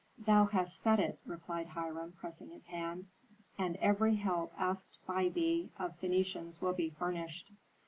"Thou hast said it," replied Hiram, pressing his hand; "and every help asked by thee of Phœnicians will be furnished."